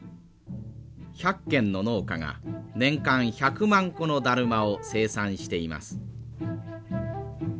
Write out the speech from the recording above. １００軒の農家が年間１００万個のだるまを生産しています。